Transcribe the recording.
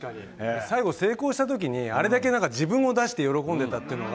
最後成功したときに、あれだけ自分を出して喜んでたっていうのが。